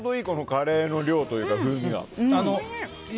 カレーの量というか、風味が。